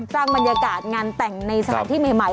สร้างบรรยากาศงานแต่งในสถานที่ใหม่